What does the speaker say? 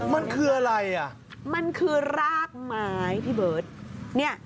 มันคืออะไรอ่ะมันคือรากไม้พี่เบิร์ตเนี่ย